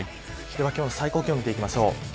では今日の最高気温を見ていきましょう。